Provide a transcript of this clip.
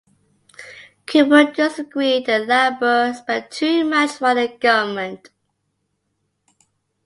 Cooper disagreed that Labour spent too much while in government.